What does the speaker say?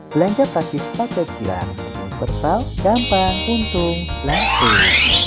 belanja taktis pakai kilang universal gampang untung langsung